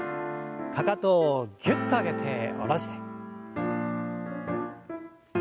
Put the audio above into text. かかとをぎゅっと上げて下ろして。